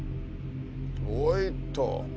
おいっと！